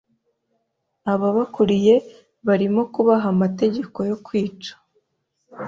ababakuriye barimo kubaha amategeko yo kwica